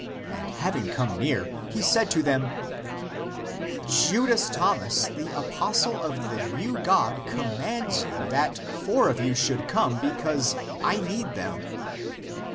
And having come near, he said to them, " Judas Thomas, the apostle of the new God, commands you that four of you should come, because I need them!"